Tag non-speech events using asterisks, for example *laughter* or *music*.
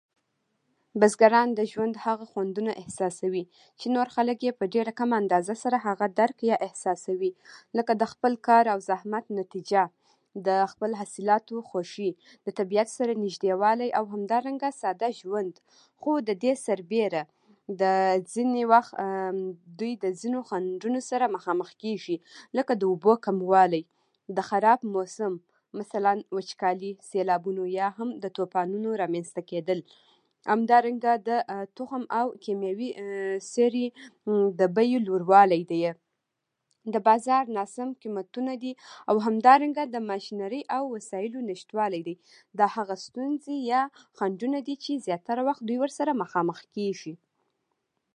بزګران د ژوند هغه خوندونه احساسوي چې نور خلک یې په ډېره کمه اندازه سره هغه درک یا احساسوي، لکه د خپل کار او زحمت نتیجه، د خپل حاصلاتو خوښي، طبیعت سره نږدېوالی، او همدارنګه ساده ژوند. او د همدې سربېره، د ځینو وخت دوی د ځینو چلېنجونو سره مخامخ کېږي، لکه د اوبو کموالی، د خراب موسم، مثلاً وچکالي، سیلابونو او طوفانونو رامنځته کېدل. همدارنګه د تخم او کیمیاوي *hesitation* سرې د بیو لوړوالی دی، د بازار ناسم قیمتونه دي، او همدارنګه د ماشینرۍ او وسایلو نشتوالی دی. دا هغه ستونزې یا خنډونه دي چې زیاتره وخت دوی ورسره مخ کېږي.